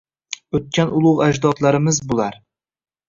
O‘tgan ulug‘ ajdodlarimiz bular.